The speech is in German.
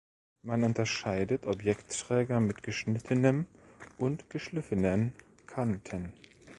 Man unterscheidet Objektträger mit geschnittenen und geschliffenen Kanten.